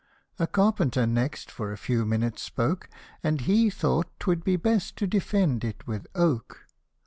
A carpenter next for a few minutes spoke, And he thought 'twould be best to defend it with oak.